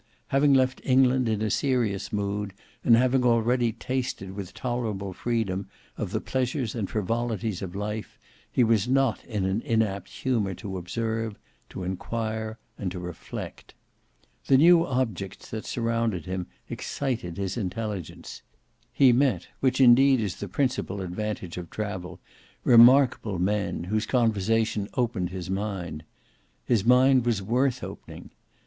Having left England in a serious mood, and having already tasted with tolerable freedom of the pleasures and frivolities of life, he was not in an inapt humour to observe, to enquire, and to reflect. The new objects that surrounded him excited his intelligence; he met, which indeed is the principal advantage of travel, remarkable men, whose conversation opened his mind. His mind was worth opening.